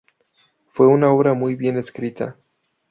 Fue una obra muy bien escrita.